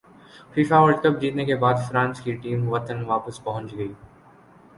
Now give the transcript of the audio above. FIFA World Cup جیتنے کے بعد فرانس کی ٹیم وطن واپس پہنچ گئی